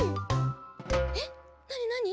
えっなになに？